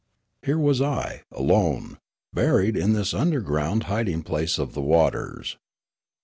Here was I, alone, buried in this underground hiding place of the waters.